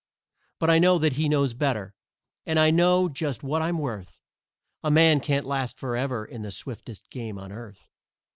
But I know that he knows better, and I know just what I'm worth A man can't last forever in the swiftest game on earth.